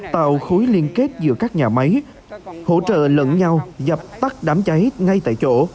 tạo khối liên kết giữa các nhà máy hỗ trợ lẫn nhau dập tắt đám cháy ngay tại chỗ